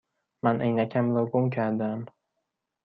من عینکم را گم کرده ام.